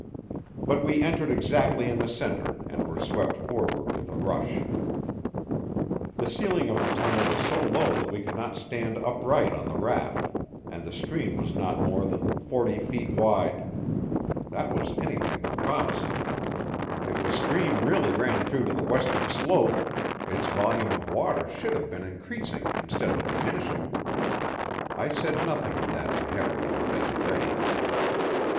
But we entered exactly in the center and were swept forward with a rush. The ceiling of the tunnel was so low that we could not stand upright on the raft, and the stream was not more than forty feet wide. That was anything but promising; if the stream really ran through to the western slope, its volume of water should have been increasing instead of diminishing. I said nothing of that to Harry or Desiree.